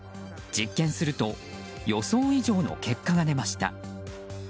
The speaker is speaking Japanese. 実験すると予想以上の結果が出ました。